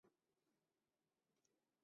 他还在路上，应该要五点钟才能到家。